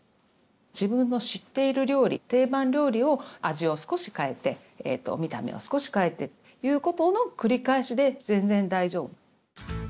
自分の知っている料理定番料理を味を少し変えて見た目を少し変えてっていうことの繰り返しで全然大丈夫。